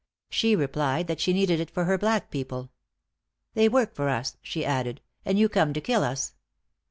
She replied that she needed it for her black people. 'They work for us,' she added, 'and you come to kill us.'